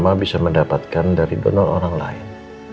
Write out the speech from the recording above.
mama bisa mendapatkan dari donor orang lain